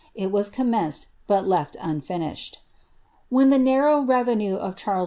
It was commenced, but lef^ unfinished. When the narrow revenue of Charles II.